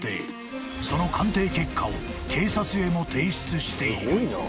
［その鑑定結果を警察へも提出している］